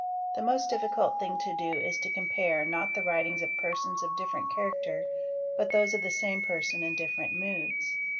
The most difficult thing | to do is to compare, not the writings of persons of different character, | but those of the same person in different moods.